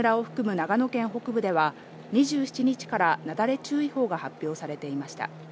長野県北部では２７日から、なだれ注意報が発表されていました。